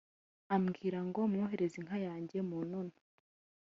ambwira ngo mwoherereze inka yanjye Munono